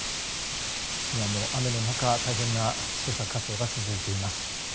雨の中、大変な捜索活動が続いています。